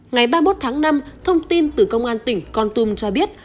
ngày ba mươi một tháng năm thông tin từ công an tỉnh con tum cho biết